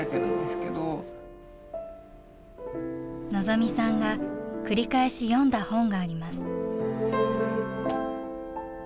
望未さんが繰り返し読んだ本があります。